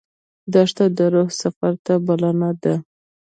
دښته د روح سفر ته بلنه ده.